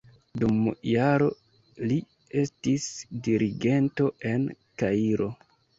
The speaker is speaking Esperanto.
Dum jaro li estis dirigento en Kairo.